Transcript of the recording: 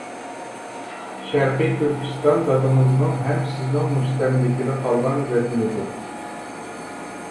شەرقىي تۈركىستان دادىڭىزنىڭ ھەم سىزنىڭ مۇستەملىكىدە قالغان ۋەتىنىدۇر!